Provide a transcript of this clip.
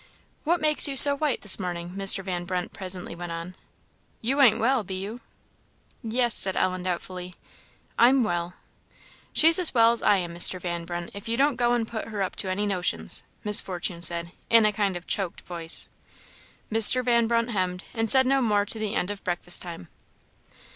"What makes you so white, this morning?" Mr. Van Brunt presently went on; "you ain't well, be you?" "Yes," said Ellen, doubtfully "I'm well" "She's as well as I am, Mr. Van Brunt, if you don't go and put her up to any notions!" Miss Fortune said, in a kind of choked voice. Mr. Van Brunt hemmed, and said no more to the end of breakfast time.